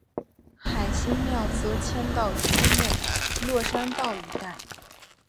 海心庙则迁到区内落山道一带。